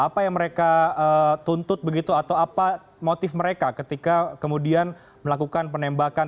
apa yang mereka tuntut begitu atau apa motif mereka ketika kemudian melakukan penembakan